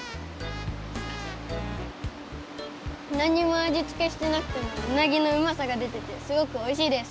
なんにもあじつけしてなくてもうなぎのうまさがでててすごくおいしいです。